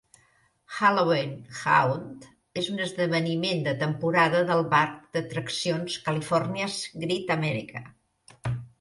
Halloween Haunt és un esdeveniment de temporada del parc d'atraccions California's Great America.